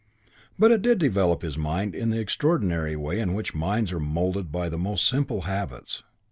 But it did develop his mind in the extraordinary way in which minds are moulded by the most simple habits.